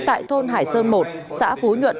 tại thôn hải sơn một xã phú nhuận